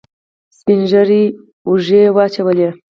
سپينږيري اوږې واچولې.